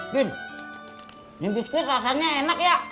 bin yang biskuit rasanya enak ya